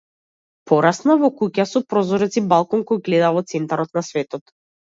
Пораснав во куќа со прозорец и балкон кој гледа во центарот на светот.